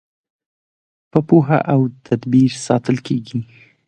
په پوهه او تدبیر ساتل کیږي.